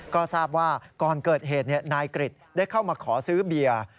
ก็ทราบว่าก่อนเกิดเหตุนายกริจได้เข้ามาขอซื้อเบียร์